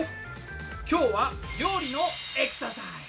今日は料理のエクササイズ。